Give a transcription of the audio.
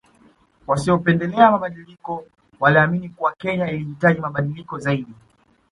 Wasiopendelea mabadiliko waliamini kuwa Kenya ilihitaji mabadiliko zaidi